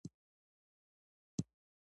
آیا لرګي ګاونډیو ته قاچاق کیږي؟